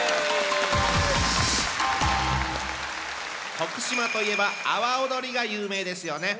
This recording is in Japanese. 徳島といえば阿波おどりが有名ですよね。